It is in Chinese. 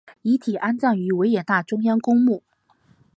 遗体安葬于维也纳中央公墓。